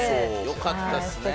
よかったですね。